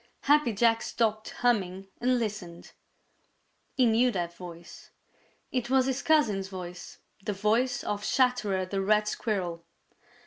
Happy Jack stopped humming and listened. He knew that voice. It was his cousin's voice the voice of Chatterer the Red Squirrel.